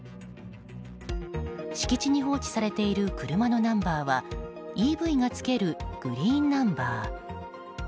敷地に設置されている車のナンバーはＥＶがつけるグリーンナンバー。